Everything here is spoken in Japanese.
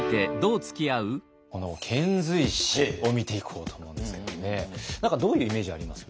この遣隋使を見ていこうと思うんですけどもね何かどういうイメージあります？